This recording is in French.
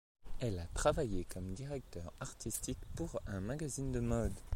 Elle a travaillé comme directeur artistique pour un magazine de mode.